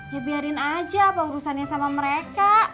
ya biarin aja apa urusannya sama mereka